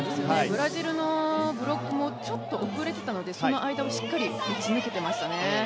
ブラジルのブロックもちょっと遅れてたのでその間をしっかり打ち抜けてましたね。